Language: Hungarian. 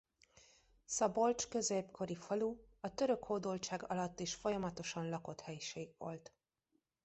Szabolcs középkori falu a török hódoltság alatt is folyamatosan lakott helység volt.